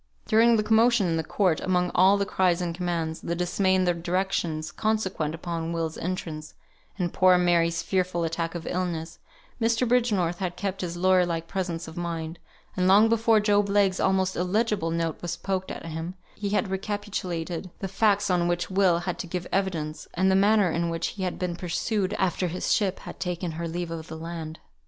During the commotion in the court, among all the cries and commands, the dismay and the directions, consequent upon Will's entrance, and poor Mary's fearful attack of illness, Mr. Bridgenorth had kept his lawyer like presence of mind; and long before Job Legh's almost illegible note was poked at him, he had recapitulated the facts on which Will had to give evidence, and the manner in which he had been pursued, after his ship had taken her leave of the land.